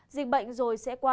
dịch bệnh rồi sẽ kết thúc